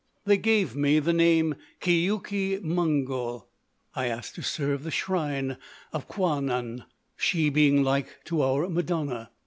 They gave me the name Keuke Mongol. I asked to serve the shrine of Kwann an—she being like to our Madonna.